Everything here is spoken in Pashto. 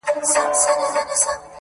o وران کې هغه کلي، چي پر گرځي دا نتلي!